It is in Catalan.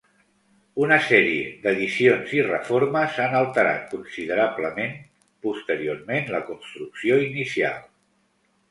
Una sèrie d'addicions i reformes han alterat considerablement posteriorment la construcció inicial.